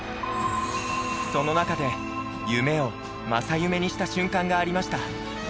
その中で夢を正夢にした瞬間がありました。